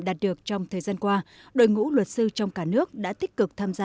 đạt được trong thời gian qua đội ngũ luật sư trong cả nước đã tích cực tham gia